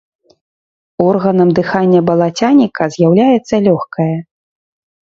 Органам дыхання балацяніка з'яўляецца лёгкае.